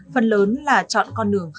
phần lớn là chọn con đường